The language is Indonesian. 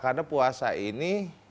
karena puasa ini